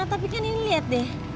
tapi kan ini lihat deh